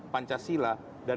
empat puluh lima pancasila dan